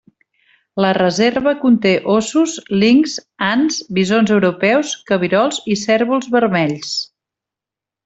La reserva conté óssos, linxs, ants, bisons europeus, cabirols i cérvols vermells.